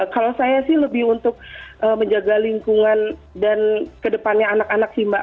kalau saya sih lebih untuk menjaga lingkungan dan kedepannya anak anak sih mbak